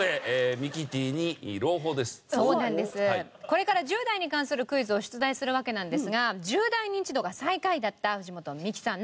これから１０代に関するクイズを出題するわけなんですが１０代ニンチドが最下位だった藤本美貴さん